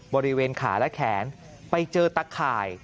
บริเวณขาและแขนไปเจอตะข่าย